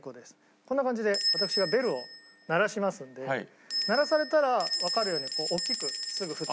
こんな感じで私がベルを鳴らしますんで鳴らされたらわかるようにこう大きくすぐ振ってほしいんです。